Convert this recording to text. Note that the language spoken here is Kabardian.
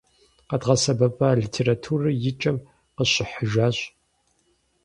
Къэдгъэсэбэпа литературэр и кӏэм къыщыхьыжащ.